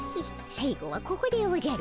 最後はここでおじゃる。